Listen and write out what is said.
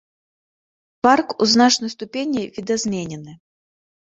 Парк у значнай ступені відазменены.